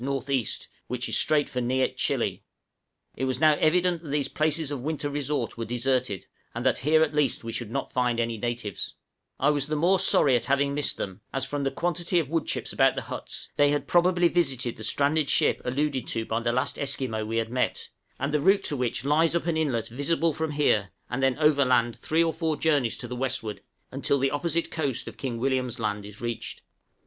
N.E., which is straight for Nĕitchīllĕe. It was now evident that these places of winter resort were deserted, and that here at least we should not find any natives; I was the more sorry at having missed them, as, from the quantity of wood chips about the huts, they probably had visited the stranded ship alluded to by the last Esquimaux we had met, and the route to which lies up an inlet visible from here, and then overland three or four days' journey to the westward, until the opposite coast of King William's Land is reached.